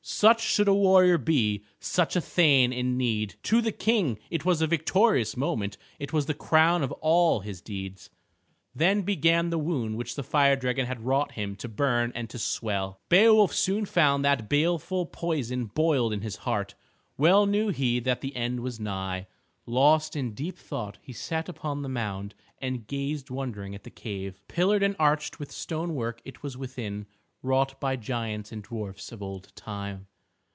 Such should a warrior be, such a thane in need. To the King it was a victorious moment. It was the crown of all his deeds. Then began the wound which the fire dragon had wrought him to burn and to swell. Beowulf soon found that baleful poison boiled in his heart. Well knew he that the end was nigh. Lost in deep thought he sat upon the mound and gazed wondering at the cave. Pillared and arched with stone work it was within, wrought by giants and dwarfs of old time.